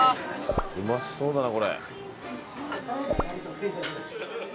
うまそうだなこれ。